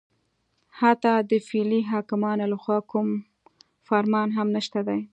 حتی د فعلي حاکمانو لخوا کوم فرمان هم نشته دی